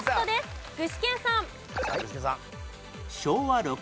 具志堅さん。